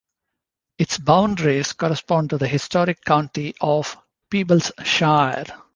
Its boundaries correspond to the historic county of Peeblesshire.